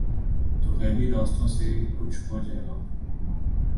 تو غیبی راستوں سے کچھ ہو جائے گا۔